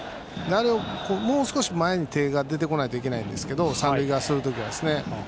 もう少し前に手が出てこないといけないんですけど三塁側にする時はですね。